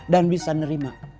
dan bisa nerima